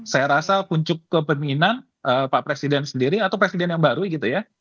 saya rasa puncuk kepemimpinan pak presiden sendiri atau presiden yang baru gitu ya